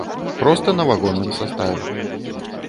Проста на вагонным саставе.